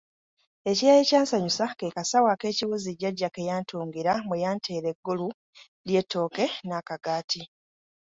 Ekirala ekyansanyusa ke kasawo ek'ekiwuzi jjajja ke yantungira mwe yanteera Eggwolu ly'ettooke n'akagaati.